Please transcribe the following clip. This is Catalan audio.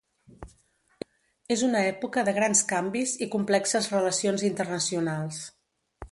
És una època de grans canvis i complexes relacions internacionals.